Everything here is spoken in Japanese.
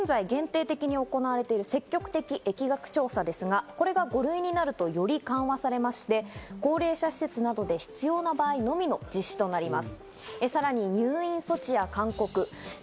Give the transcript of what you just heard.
まず現在、限定的に行われている積極的疫学調査ですが、これが５類になるとより緩和されまして、高齢者施設などで必要な場合のみの実施となります。